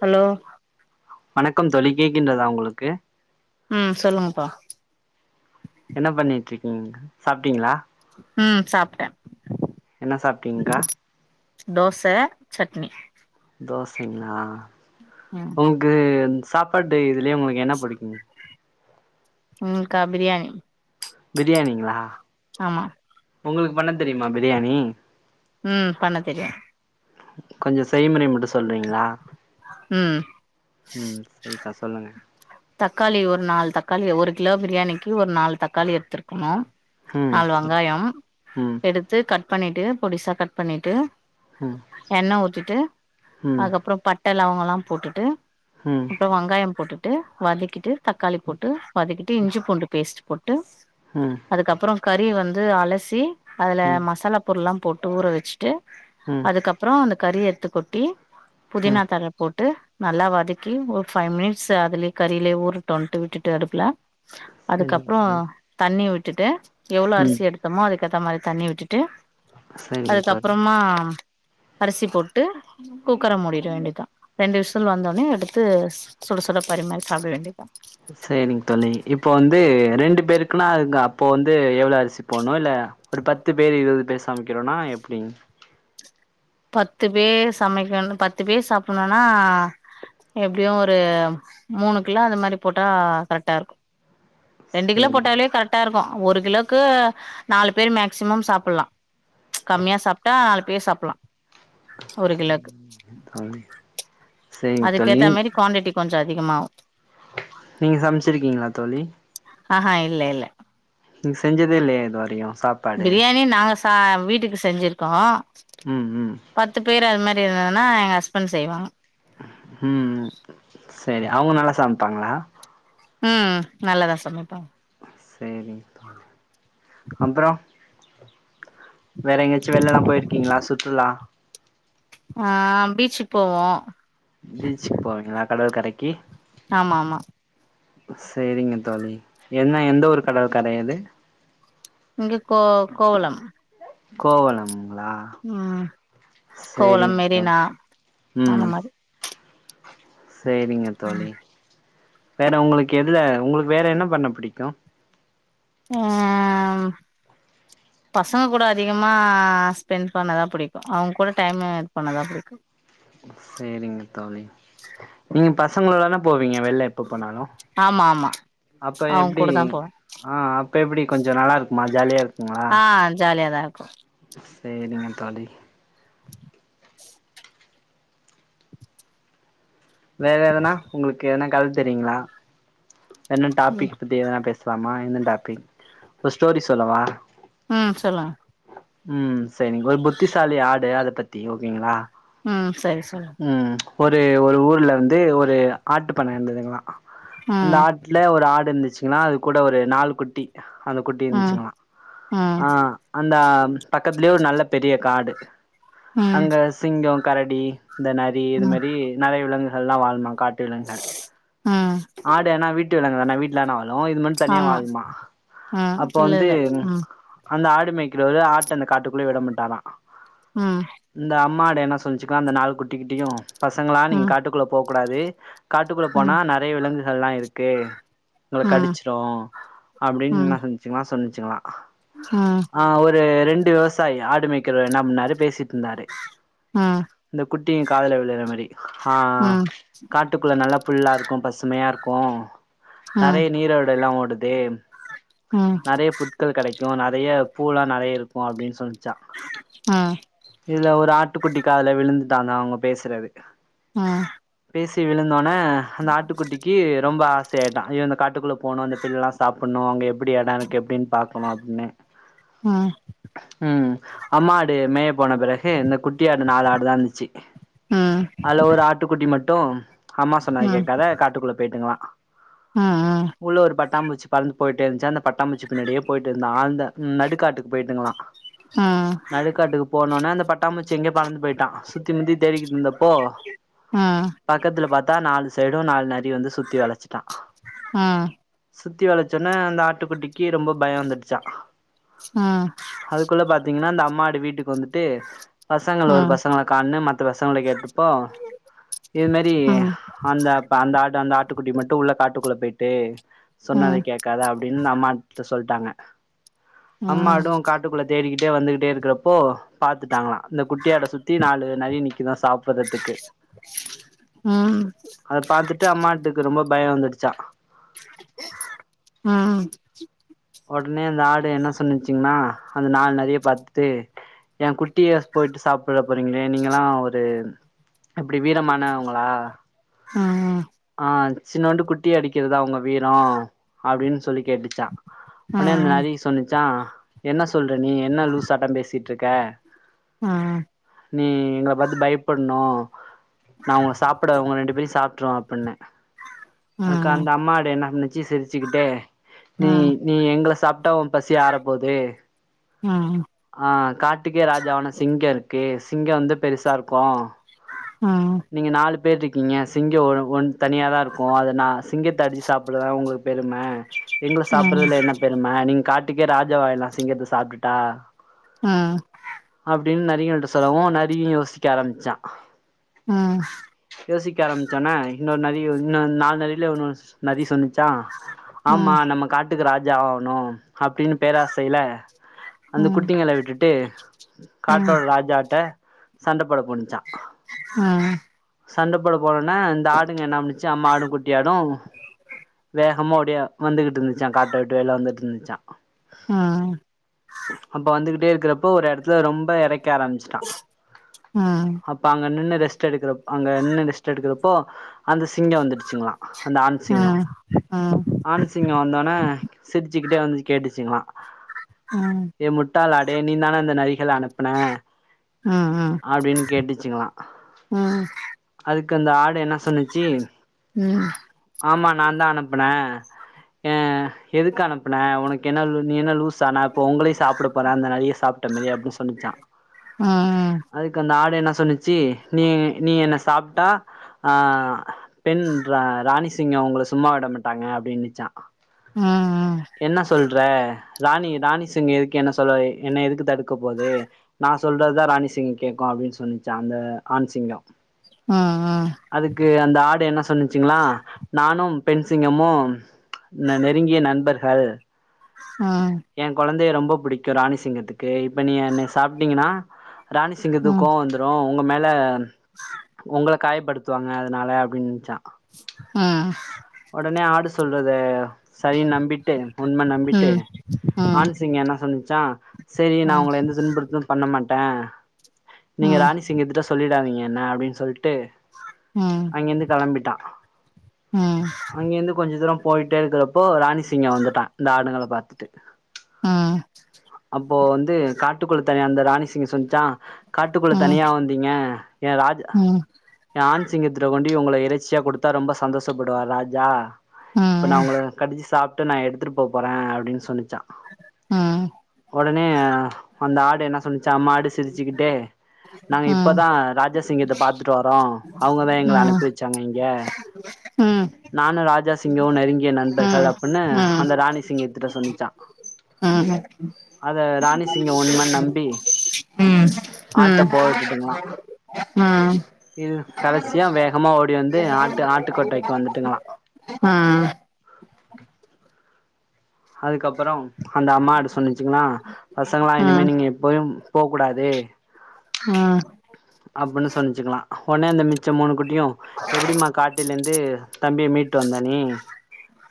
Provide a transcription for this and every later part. hello வணக்கம் தோழி கேக்கின்றதா உங்களுக்கு ம் சொல்லுங்கப்பா என்ன பண்ணிட்டுருக்கீங்க சாப்ட்டீங்ளா ம் சாப்பட்ட என்ன சாப்ட்டீங்க்கா தோச சட்னி தோசைங்களா ம் உங்க்கு ந் சாப்பாடு இதுலே உங்களுக்கு என்ன பிடிக்குங் ம் க்கா பிரியாணி பிரியாணிங்களா ஆம்மா உங்களுக் பண்ணதெரியுமா பிரியாணி ம் பண்ணதெரியு கொஞ்ச செய்முறை மட்டு சொல்றீங்களா ம் ம் சரிக்கா சொல்லுங்க தக்காளி ஒர் நால் தக்காளி ஒரு கிலோ பிரியாணிக்கு ஒரு நால் தக்காளி எடுத்துர்க்குணு ம் நாலு சரி வெங்காயம் ம் எடுத்து கட் பண்ணிட்டு பொடிசா கட் பண்ணிட்டு ம் எண்ண ஊத்திட்டு ம் அதுக்கப்ற பட்ட லவங்கல்லா போட்டுட்டு ம் அப்பற வெங்காயம் போட்டுட்டு வதக்கிட்டு தக்காளி போட்டு வதக்கிட்டு இஞ்சிபூண்டு பேஸ்ட்டு போட்டு ம் அதுக்கப்பற கறி வந்து அலசி அதுல ம் மசாலா பொருல்லாபோட்டு ஊறவச்ட்டு ம் அதுக்கப்ற அந்த கறி எத்துகொட்டி புதினா ம் தழப் போட்டு நல்லாவதக்கி ஒரு ஃபைவ்மினிட்ஸ் அதுலே கறிலயே ஊருட்டோன்ட்டு விட்டுட்டு அடுப்புல சரிங்க அதுக்கப்றோ தோழி தண்ணி விட்டுட்டு எவ்ளோ ம் அரிசி எடுத்தமோ அதுக்க ஏத்த மாரி தண்ணி விட்டுட்டு சரிங்க தோழி அதுக்கப்றமா அரிசி போட்டு குக்கர மூடிட வேண்டியதா ரெண்டு விஷில் வந்தோட்னே எடுத்து சுட சுட பரிமாறி சாப்ட வேண்டியதா சரிங்க தோழி இப்போ வந்து ரெண்டு பேருக்குன்னா அதுங்க அப்போ வந்து எவ்ளோ அரிசி போட்ணு இல்ல ஒரு பத்து பேர் இருவது பேர் சமைக்கிறோனா எப்டிங் பத்து பேர் சமைக்கணு பத்து பேர் சாப்புட்ணுனா எப்டியு ஒரு மூணு கிலோ அது மாரி போட்டா கரெக்டா இருக்கு ரெண்டு கிலோ சேரிங்க போட்டாலேயே கரெக்டா இருக்கு ஒரு கிலோக்கு நாலு பேர் மேக்சிமம் சாப்புட்லா கம்மியா சாப்ட்டா நாலு பேர் சாப்புட்லா ஒரு கிலோக்கு தோழி சேரிங்க அதுக்கு தோழி ஏத்த மாரி குவான்டிட்டி கொஞ்ச அதிகமாவு நீங்க சமைச்சிருக்கீங்களா தோழி ஆ ஹா இல்ல இல்ல நீங்க செஞ்சதே இல்லையா இது வரையு சாப் பிரியாணி நாங்க சா வீட்டுக்கு செஞ்சிருக்கோ ம் ம் பத்து பேர் அது மாரி இருந்ததுன்னா எங்க ஹஸ்பண்ட் செய்வாங்க ம் செரி அவுங்க நல்லா சமைப்பாங்ளா ம் ம் நல்லதா சமைப்பாங்க சேரிங்க தோழி அப்றோ வேற எங்கயாச்சு வெளிலெல்லா போயிருக்கீங்களா சுற்றுலா ஆ பீச்சுக் போவோ பீச்சுக் போவீங்களா கடல் கரைக்கி ஆமாம்மா செரிங்க தோழி என்ன எந்த ஊரு கடல் கரை அது இங்க கோ கோவுளம் கோவுலம்ங்களா ம் கோவலம் சேரிங்க தோழி மெரினா அந்த ம் மாரி சேரிங்க தோழி வேற உங்களுக்கு எதுல உங்களுக்கு வேற என்ன பண்ண பிடிக்கு ஏ உஹ [inaudible] பசங்க கூட அதிகமா ஸ்பெண்ட் பண்ணதா புடிக்கு அவுங்க கூட டைமு ஆட் பண்ணதா புடிக்கோ செரிங்க தோழி நீங்க பசங்களோட தான போவீங்க வெள்ல எப்ப போனாலு ஆமா ஆமா அப்ப அவுங் எப்டி கூட தா போவே ஆ அப்ப எப்டி கொஞ்சோ நல்லா இருக்குமா ஜாலியா இருக்குங்களா ஆ ஜாலியா தா இருக்கு சேரிங்க தோழி வேற எதனா உங்களுக்கு எதனா கத தெரியுங்களா என்ன ம் டாபிக் அப்டி எதனா பேசலாமா எந்த டாபிக் ஒரு ஸ்டோரி சொல்லவா ம் சொல்லுங்க ம் செரிங்க ஒரு புத்திசாலி ஆடு அத பத்தி ஓகேங்களா ம் சரி சொல்லுங்க ம் ஒரு ஒரு ஊர்ல வந்து ஒரு ஆட்டு பண்ணை இருந்ததுங்களா இந்த ம் ஆட்டு ல ஒரு ஆடு இருந்துச்சுங்கள்ள அது கூட ஒரு நாலு குட்டி அந்த குட்டி ம் இருந்துச்சுங்கலா ம் ஆ அந்த பக்கத்திலயே ஒரு நல்ல பெரிய காடு ம் அங்க சிங்கோ கரடி இந்த நரி இது ம் மாரி நெறைய விலங்குகள்லா வாழுமாங் காட்டு விலங்குங்கள் ம் ஆடு ஏனா வீட்டு விலங்கு தானே வீட்ல தானே வாழு இது மட் தனியா ஆமா வாழுமா ம் அப்போ இல்ல வந்து இல்ல ம் அந்த ஆடு மேய்க்ரவர் ஆட்ட அந்த காட்டுக்குள்ளேயே விட மாட்டாரா ம் இந்த அம்மா ஆடு என்ன சொல்லிச்சுங்கலா அந்த நாலு குட்டிகிட்டயு பசங்களா நீங்க ம் காட்டுக்குள்ள போ கூடாது காட்டுக்குள்ள ம் போனா நெறைய விலங்குகள்லா இருக்கு உங்கள ம் கடிச்சுறு அப்டின்னு ம் என்ன செஞ்ச்சுகளா சொன்னிச்சுங்களா ம் ஆ ஒரு ரெண்டு விவசாயி ஆடு மேக்கறவர் என்ன பன்னாரு பேசிட்டிருந்தாரு ம் இந்த குட்டிங்க காதுல விழுற மாரி ஆ ம் ம் காட்டுக்குள்ள நல்ல புல்லா இருக்கு பசுமையா இருக்கு ம் நெறைய நீரொடையெல்லா ஓடுது ம் நெறைய புட்கள் கெடைக்கு நெறைய பூலா நெறைய இருக்கு அப்டின்னு சொன்னிச்சா ஆ இதுல ஒரு ஆட்டுக்குட்டி காதுல விழுந்துதாங்க அவுங்க பேசுறது ம் பேசி விழுந்தோனே அந்த ஆட்டுக்குட்டிக்கு ரொம்ப ஆ சையாட்ட ஐயோ அந்த காட்டுக்குள்ள போணு அந்தபில்லா சாப்டணு அங்க எப்டி இடம் இருக்குன்னு பாக்கனோ அப்டின்னு அ [inaudible] ம் ம் அம்மா ஆடு மேய போன பிறகு இந்த குட்டி ஆடு நாலு ஆடு தா இந்துச்சு அதுல ஒரு ஆட்டுக்குட்டி மட்டு அம்மா சொன்னத ம் ம் கேட்காத காட்டுக்குள்ள போயிட்டுநுக்குற ம் ம் ம் ம் ம் ம் ம் ம் உள்ள ஒரு பட்டாம்புச்சி பறந்து போயிட்டே இருந்துச்சா அந்த பட்டாம்பூச்சி பின்னாடியே போயிட்டு இருந்தா அந்த நடுக்காட்டுக்கு போயிட்டுங்களா ம் நடுக்காட்டுக்கு போனோனே அந்த பட்டாம்பூச்சு எங்கயயோ பறந்து போயிட்டா சுத்தி முத்தி தேடிக்கிட்டு இருந்தப்போ ஆ பக்கத்துல பாத்தா நாலு சைடு நாலு நரி வந்து சுத்தி வளச்சுட்டா சுத்தி வளச்சோன அந்த ஆட்டு குட்டிக்கு ரொம்ப பயம் வந்துடுச்சா ஆ அதுக்குள்ள பாத்தீங்கன்னா அந்த அம்மா ஆடு வீட்டுக்கு வந்துட்டு பசங்கள ஒரு பசங்கள காணோன் மத்த பசங்கள கேட்டுப்போ இது மாரி ம் அந்த அப் அந்த ஆட்டு அந்த ஆட்டுக்குட்டி மட்டு உள்ள காட்டுக்குள்ள போய்ட்டு சொன்னத கேட்காத அப்டின்னு அம்மாட்ட சொல்ட்டாங்க அம்மாடும் காட்டுக்குள்ள தேடிக்கிட்டே வந்துகிட்டே இருக்கிறப்போ பாத்துட்டாங்களா அந்த குட்டியாட சுத்தி நாலு நரி நிக்குதா சாப்படுறதுக்கு ம் அத பாத்துட்டு அம்மா ஆட்டுக்கு ரொம்ப பயம் வந்துடுச்சா ம் ஒடனே அந்த ஆடு என்ன சொன்னுச்சிங்கன்னா அந்த நாலு நரிய பாத்துட்டு என் குட்டிய போயிட்டு சாப்ட போறீங்களே நீங்கல்லா ஒரு அப்டி வீரமானவுங்களா ஆ சின்னோண்டு குட்டி அடிக்குறதா உங்க வீரோ அப்டின் சொல்லி கேட்டுச்சா ஒடனே அந்த நரி சொன்னுச்சா என்ன சொல்ற நீ என்ன லூசாட்ட பேசிட்டு இருக்க ஆ நீ எங்கள பாத்து பயப்படுனு நா உங்க சாப்ட உங்க ரெண்டு பேரையு சாப்ருவேன் அப்டின்னு ம் அதுக்கு ம் அந்த அம்மாடு என்ன சொன்னுச்சு சிரிச்சுக்கிட்டே நீ ம் நீ எங்கள சாப்ட்டா ஒ பசி ஆறப் போது ஆ ஆ ஆ காட்டுக்கே ராஜா ஒன்னு சிங்க இருக்கு சிங்க வந்து பெருசா இருக்கு உம் நீங்க நாலு பேர் இருக்கீங்க சிங்க ஒ ஒன் தனியாக தா இருக்கு அத நா சி சிங்கத்த அடிச்சு சாப்ட்றது தான ஒங்களுக்கு பெரும எங்கள ஆ சாப்பிடறதுல என் என்ன பெரும நீங்க காட்டுக்கே ராஜாவாயிரலா சிங்கத்த சாப்டுட்டா உம் அப்டின் நரிங்கள்கிட்ட சொல்லவு நரியு யோசிக்க ஆரம்பிச்சா உம் யோசிக்க ஆரம்பிச்சோனே இன்னொரு நரி வந் இன்னொ நாலு நரியில ஒன் நரி சொன்னுச்சா ஆ ஆமா ஆ நம்ம காட்டுக்கு ராஜா ஆகனு அப்டின் பேராசைய்ல அந்த ஆ குட்டிங்கள விட்டுட்டு காட்டோட ஆ ராஜாட்ட சண்ட போட போனுச்சா உம் சண்ட போட போனோன இந்த ஆடுங்க என்ன பன்னுச்சா அம்மா ஆடு குட்டி ஆடு வேகமா ஓடிய வந்துகிட்டு இருந்துச்சா காட்ட விட்டு வெளிய வந்துட்டு இருந்துச்சா அப்ப வந்துகிட்டே இருக்குறப்ப ஒரு எடத்துல ரொம்ப எறைக்க ஆரம்பிச்சு உஸ் உம் அப்ப அங்க நின்னு ரெஸ்ட் எடுக்கிறப் அங்க நின்னு ரெஸ்ட் எடுக்கிறப்போ அந்த சிங்க வந்துடுச்சுங்ளா அந்த ஆண் ஆ ஆ ஆ சிங்கோ ஆ ஆ ஆண் சிங்கோ வந்தோன சிரிச்சுக்கிட்டே வந்து கேட்டுச்சுங்ளா ஏ முட்டாள் ஆடே நீ தான அந்த நரிகள அனுப்புன உம் உம் அப்டின் கேட்டுச்சுங்ளா உம் அதுக்கு அந்த ஆடு என்ன சொன்னுச்சு ஆமா நா தா அனுப்புனே ஆ எதுக்கு அனுப்புன ஒனக்கு என்ன நீ என்ன லூஸ் சனா இப்போ ஒங்களையு சாப்ட போறே அந்த நரிய சாப்ட்ட மாரி அப்டின் சொன்னுச்சா அதுக்கு அந்த ஆடு என்ன சொன்னுச்சு நீ நீ என்ன சாப்ட்டா ஆ பெண் ராணிசிங்கொ ஒங்கள சும்மா விட மாட்டாங்க அப்டின்னுச்சா உம் என்ன சொல்ற ராணி ராணிசிங்க எதுக்கு என்ன சொல்ல என்ன எதுக்கு தடுக்க போது நா சொல்றததா ராணிசிங் கேட்கு அப்டின் சொன்னுச்சா அந்த ஆண்சிங்கோ ம் ம் அதுக்கு அந்த ஆடு என்ன சொன்னுச்சுங்ளா நானு பெண் சிங்கமு நெருங்கிய நண்பர்கள் உம் எ கொழந்தைய ரொம்ப புடிக்கு ராணி சிங்கத்துக்கு இப்ப நீ என்ன சாப்ட்டீங்னா ராணி சிங்கத்துக்கு ம் கோவ வந்துரு ஒங்க மேல ஒங்கள காயப்படுத்துவாங்க அதனால அப்டின்னுச்சா உம் ஒடனே ஆடு சொல்றத சரின்னு நம்பிட்டு உண்மனு நம்பிட்டு ஆண்சிங்கோ என்ன சொன்னுச்சா சேரி நா உங்கள எந்த துன்புறுத்து பண்ண மாட்டே ஆ ஆ நீங்க ராணி சிங்கத்துட்ட சொல்லிடாதீங்க ன்ன அப்டின் சொல்ட்டு ம் அங்க இருந்து கெளம்பிட்டான் ம் இங்க இருந்து கொஞ்சோ தூரோ போய்ட்டே இருக்கிறப்போ ராணி சிங்கோ வந்துட்டா இந்த ஆடுங்கள பாத்துட்டு ஆ ஆ ம் ஆ ஆ ஆ ஆ ஆ ஆ ஆ அப்போ வந்து காட்டுக்குள்ள தனியா இருந்த ராணி சிங்கோ சொன்ச்சா காட்டுக்குள்ள தனியா வந்தீங்க என் ராஜ் ம் ஏன் ஆண் சிங்கத்துட்ட கொண்டி உங்கள இறைச்சியா கொடுத்தா ரொம்ப சந்தோஷப்படுவார் ராஜா ஆ இப்ப நா உங்கள கடிச்சு சாப்ட்டு நா எடுத்துட்டு போ போறே அப்டினு சொன்னுச்சா ம் ஒடனே அந்த ஆடு என்ன சொன்னுச்சா மாடு சிரிச்சிக்கிட்டே நாங்க ஆ ஆ ம் ஆ ஆ ஆ ம் இப்பதா ராஜா சிங்கத்த பாத்துட்டு வரோ அவுங்கதா எங்கள அனுப்பி வச்சாங்க இங்க ம் நானு ராஜாசிங்கவு நெருங்கிய நண்பர்கள் அப்டினு அந்த ராணி சிங்கத்துட்ட சொன்னுச்சா ம் ராணி சிங்க உண்மன் நம்பி ம் ம் ஆட்ட ம் போ ம் இதுதா கடைசியா வேகமா ஓடி வந்து ஆட்டு ஆட்டுக்கொட்டாய்க்கு வந்துட்டுங்களா ம் அதுக்கப்பறொ அந்த அம்மாடு சொன்னுச்சுங்களா பசங்களா ஆ ஆ இனிமே நீங்க போயு போ கூடாது ஆ அப்டின்னு சொன்னுச்களா ஒடனே அந்த மிச்ச மூணு குட்டியு எப்டிமா காட்டுலே இருந்து தம்பிய மீட்டு வந்தனே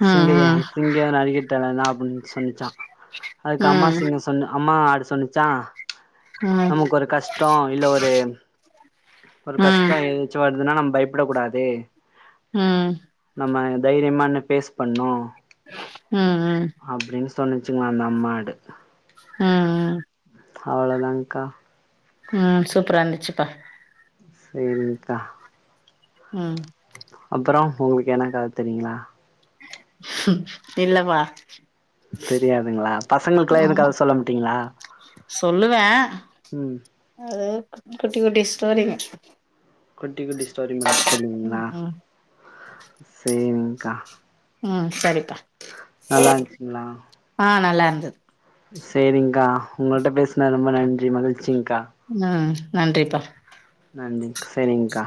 ம் சிங்கிளுதான ம் சிங்கோ நரி கிட்டலனா அப்டின் சொன்னுச்சா அதுக்கு அம்மா ம் சிங்கம் சொன்னு அம்மா ஆடு சொன்னுச்சா ம் நமக்கு ஒரு கஷ்டோ இல்ல ஒரு ஒரு கஷ்டோ ம் எதுனுச்சு வருதுனா நம்ப பயப்பட கூடாது ம் நம்ம தைரியமா நின்னு பேஸ் பண்ணோ ம் ம் அப்டின் சொன்னுச்சுங்ளா அந்த மாடு ம் ம் அவ்ளதாங்கா ம் சூப்பரா இருந்துச்சுப்பா சேரிங்கா ம் அப்றோ உங்களுக்கு என்னா கத தெரியுங்களா இல்ல பா தெரியாதுங்களா பசங்களுக்கல்லா எது கத சொல்ல மாட்டீங்களா சொல்லுவேன் ம் அது குட்டி குட்டி ஸ்டோரிங்க குட்டி குட்டி ஸ்டோரி மட்டு சொல்லுவீங்களா ம் ம் சேரிங்கா ம் சரிப்பா இருந்துச்சுங்களா ஆ நல்லா இருந்தது சேரிங்கா உங்கள்ட்ட பேசுனது ரொம்ப நன்றி மகிழ்ச்சிங்கா ஆ நன்றிப்பா நன்றி செரிங்கா